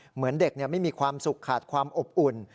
เหมือนเด็กไม่มีความสุขขาดความอบอุ่น